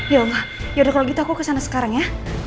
ya allah yaudah kalau gitu aku kesana sekarang ya